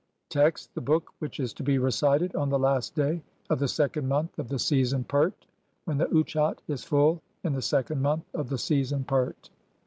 Text : The Book which is to be recited on the last DAY OF THE SECOND MONTH OF THE SEASON PERT 1 WHEN THE UTCHAT IS FULL IN THE SECOND MONTH OF THE SEASON PERT.